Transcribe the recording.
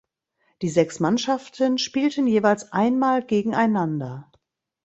Die sechs Mannschaften spielten jeweils einmal gegeneinander.